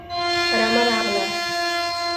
رمه راغله